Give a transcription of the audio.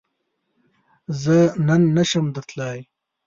زۀ نن نشم درتلای